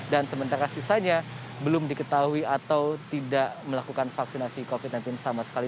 dan sementara sisanya belum diketahui atau tidak melakukan vaksinasi covid sembilan belas sama sekali